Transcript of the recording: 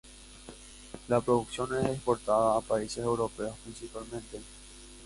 La producción es exportada a países europeos principalmente.